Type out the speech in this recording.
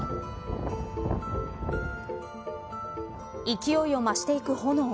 勢いを増していく炎。